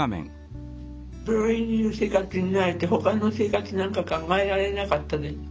病院の生活に慣れて他の生活なんか考えられなかったです。